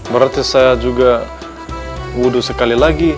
berarti saya juga wudhu sekali lagi